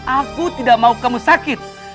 aku tidak mau kamu sakit